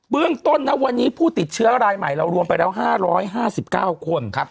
เรื่องต้นนะวันนี้ผู้ติดเชื้อรายใหม่เรารวมไปแล้ว๕๕๙คน